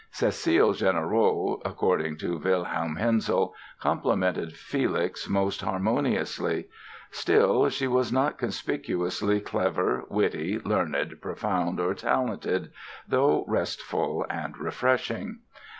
Cécile Jeanrenaud, according to Wilhelm Hensel, complemented Felix most harmoniously; still, "she was not conspicuously clever, witty, learned, profound or talented, though restful and refreshing".